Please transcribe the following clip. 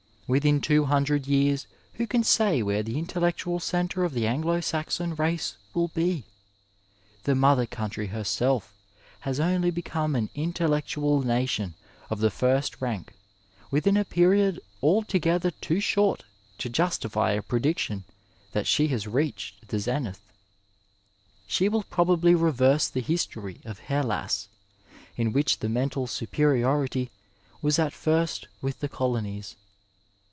Within two hundred years who can say where the intellectual centre of the Anglo Saxon race will be? The Mother Country herself has only become an intellectual nation of the first rank within a period alto gether too short to justify a prediction that she has reached the zenith: She will probably reverse the history of Hellas, in which the mental superiority was at first with the colonies.